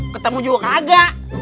kamu juga kagak